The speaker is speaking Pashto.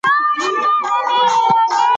موږ پښتو ته په هر ډګر کې خدمت کوو.